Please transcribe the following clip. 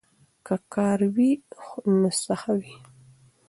که کار وي نو سخا وي.